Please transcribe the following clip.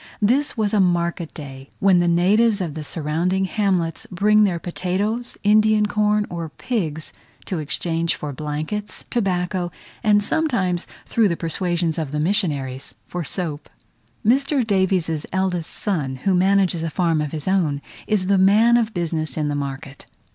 This was a market day, when the natives of the surrounding hamlets bring their potatoes, Indian corn, or pigs, to exchange for blankets, tobacco, and sometimes, through the persuasions of the missionaries, for soap. Mr. Davies's eldest son, who manages a farm of his own, is the man of business in the market.